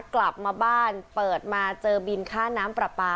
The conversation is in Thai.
กลับมาบ้านเปิดมาเจอบินค่าน้ำปลาปลา